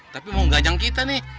tapi mau gajang kita nih